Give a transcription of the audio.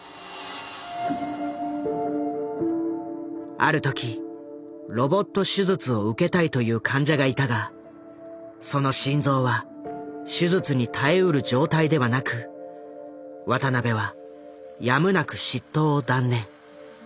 ある時ロボット手術を受けたいという患者がいたがその心臓は手術に耐えうる状態ではなく渡邊はやむなく執刀を断念。